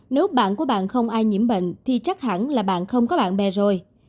nếu bạn của bạn không ai nhiễm bệnh thì chắc hẳn là bạn không có bạn bè rồi